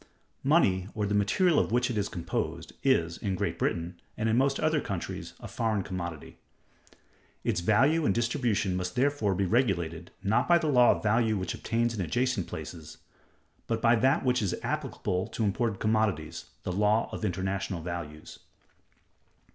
Money, or the material of which it is composed, is, in Great Britain, and in most other countries, a foreign commodity. Its value and distribution must therefore be regulated, not by the law of value which obtains in adjacent places, but by that which is applicable to imported commodities—the law of international values.